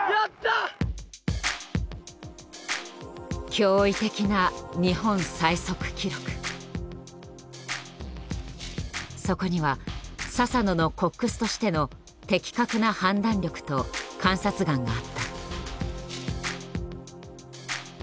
驚異的なそこには佐々野のコックスとしての的確な判断力と観察眼があった。